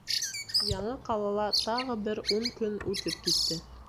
Яңы ҡалала тағы бер ун көн үтеп китте.